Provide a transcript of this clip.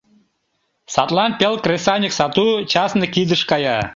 Садлан пел кресаньык сату частный кидыш кая.